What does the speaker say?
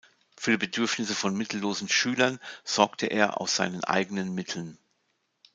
Für die Bedürfnisse von mittellosen Schülern sorgte er aus seinen eigenen Mitteln.